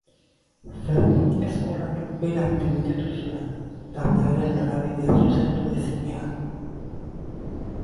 Fermin Ezkurrak berak dimititu zuen, taldearen norabidea zuzendu ezinean.